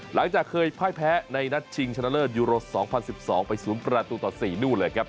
หลังจากเคยพ่ายแพ้ในนัดชิงชนะเลิศยูโร๒๐๑๒ไป๐ประตูต่อ๔นู่นเลยครับ